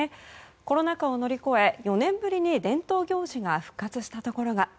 コロナ禍を乗り越え４年ぶりに伝統行事が復活したところが。